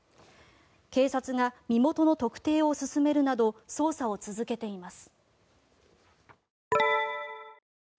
警察が身元の特定を進めるなど捜査を続けています。